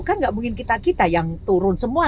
kan nggak mungkin kita kita yang turun semua